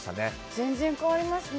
全然変わりますね。